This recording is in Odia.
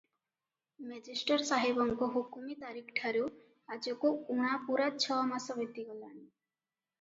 ମେଜେଷ୍ଟର ସାହେବଙ୍କ ହୁକୁମୀ ତାରିଖଠାରୁ ଆଜକୁ ଊଣା ପୂରା ଛ ମାସ ବିତିଗଲାଣି ।